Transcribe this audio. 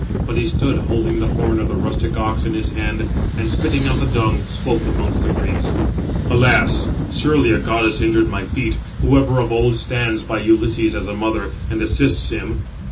But he stood, holding the horn of the rustic ox in his hands; and, spitting out the dung, spoke amongst the Greeks: "Alas! surely a goddess injured my feet, who ever of old stands by Ulysses as a mother, and assists him."